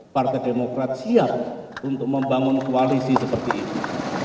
partai demokrat siap untuk membangun koalisi seperti ini